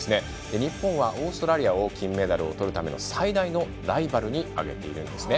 日本はオーストラリアを金メダルをとるための最大のライバルに挙げているんです。